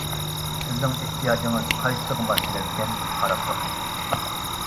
سىزنىڭ ئېھتىياجىڭىز قايسىغا ماس كېلىدىكەن، قاراپ بېقىڭ.